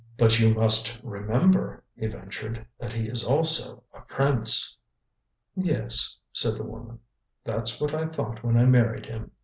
"But you must remember," he ventured, "that he is also a prince." "Yes," said the woman, "that's what I thought when I married him.